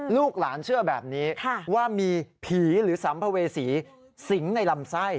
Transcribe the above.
ลูกหลานเชื่อแบบนี้ว่ามีผีหรือสัมภเวษีสิงในลำไส้